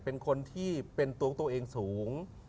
เป็นคนที่เป็นตัวของตัวเองสูง